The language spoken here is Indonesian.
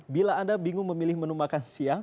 bila anda bingung memilih menu makan siang